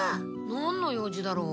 なんの用事だろう？